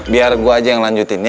biar gue aja yang lanjutin ya